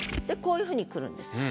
こういう風にくるんです。